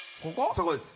そこです。